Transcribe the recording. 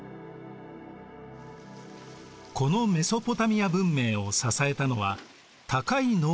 このメソポタミア文明を支えたのは高い農業生産力でした。